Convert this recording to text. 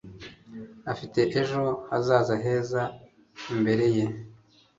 Afite ejo hazaza heza imbere ye.